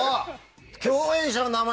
共演者の名前